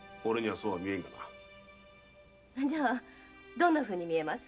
それじゃどんなふうに見えます？